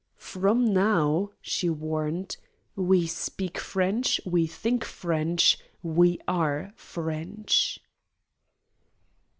"From now," she warned, "we speak French, we think French, we are French!"